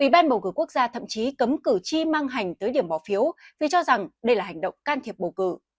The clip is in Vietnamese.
ủy ban bầu cử quốc gia thậm chí cấm cử tri mang hành tới điểm bỏ phiếu vì cho rằng đây là hành động can thiệp bầu cử